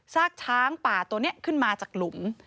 ซากช้างป่าตัวนี้ขึ้นมาจากหลุม